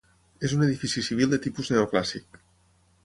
És un edifici civil de tipus neoclàssic.